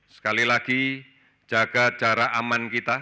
sekali lagi jaga jarak aman kita